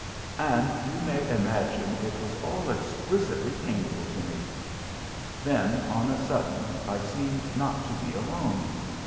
And you may imagine it was all exquisitely painful to me. Then, on a sudden, I seemed not to be alone.